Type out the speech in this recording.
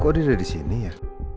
kok dia udah disini ya